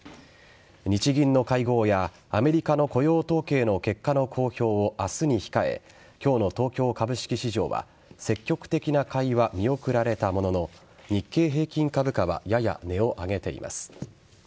日銀の会合やアメリカの雇用統計の結果の公表を明日に控え今日の東京株式市場は積極的な買いは見送られたものの日経平均株価はやや値を上げています。